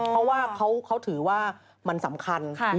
เพราะว่าเขาถือว่ามันสำคัญ